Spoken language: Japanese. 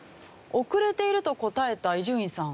「遅れている」と答えた伊集院さん。